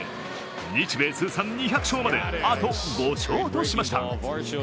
日米通算２００勝まであと５勝としました。